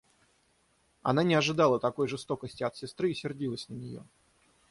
Она не ожидала такой жестокости от сестры и сердилась на нее.